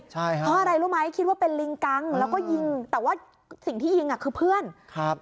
ใช่ครับเพราะอะไรรู้ไหมคิดว่าเป็นลิงกังแล้วก็ยิงแต่ว่าสิ่งที่ยิงอ่ะคือเพื่อนครับ